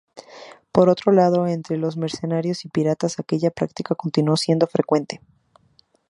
Por otro lado, entre los mercenarios y piratas aquella práctica continuó siendo frecuente.